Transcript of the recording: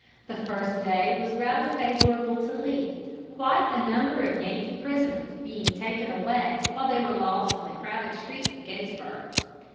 The first day was rather favorable to Lee, quite a number of Yankee prisoners being taken while they were lost in the crowded streets of Gettysburg.